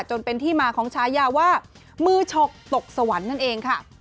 จนเป็นที่มาของชายาว่ามือฉกตกสวรรค์นั่นเองค่ะ